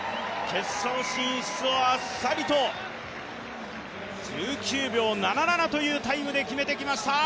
決勝進出をあっさりと１９秒７７というタイムで決めてきました。